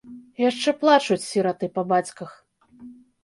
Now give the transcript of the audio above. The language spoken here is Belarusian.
Яшчэ плачуць сіраты па бацьках.